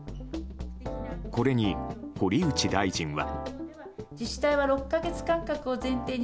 これに堀内大臣は。